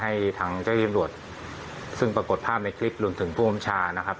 ให้ทางเจ้าที่ตำรวจซึ่งปรากฏภาพในคลิปรวมถึงผู้อำชานะครับ